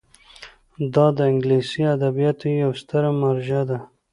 دا د انګلیسي ادبیاتو یوه ستره مرجع ده.